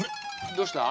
どうした？